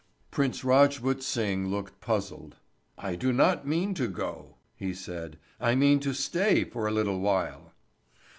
Prince Rajput Singh looked puzzled. "I do not mean to go," he said. "I mean to stay for a little while."